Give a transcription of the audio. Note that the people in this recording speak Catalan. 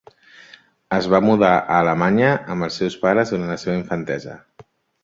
Es va mudar a Alemanya amb els seus pares durant la seva infantesa.